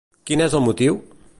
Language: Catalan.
Quin és el motiu?